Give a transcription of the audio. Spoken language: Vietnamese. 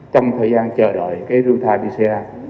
trong thời gian chờ đợi cái rưu thai đi xe